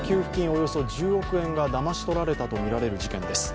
およそ１０億円がだまし取られたとみられる事件です。